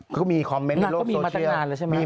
ก็มีคอมเมนต์ในโลกโซเชียลมีมาตั้งนานแล้วใช่ไหม